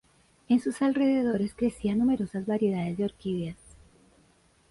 En sus alrededores crecían numerosas variedades de orquídeas.